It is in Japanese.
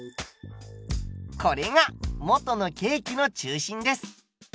これが元のケーキの中心です。